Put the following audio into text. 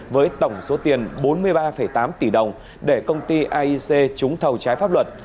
với tổng số tiền bốn mươi ba tám tỷ đồng để công ty aic trúng thầu trái pháp luật